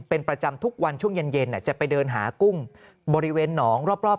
เป็นประจำทุกวันช่วงเย็นจะไปเดินหากุ้งบริเวณหนองรอบ